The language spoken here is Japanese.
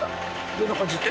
どんな感じって？